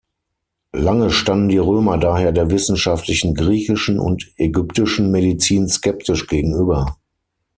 Lange standen die Römer daher der wissenschaftlichen griechischen und ägyptischen Medizin skeptisch gegenüber.